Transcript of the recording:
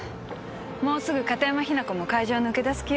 もうすぐ片山雛子も会場を抜け出す気よ。